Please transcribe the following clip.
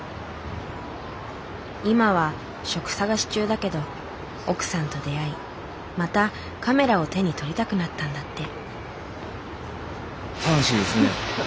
今は職探し中だけど奥さんと出会いまたカメラを手に取りたくなったんだって。